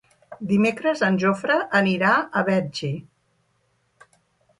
Dimecres en Jofre anirà a Betxí.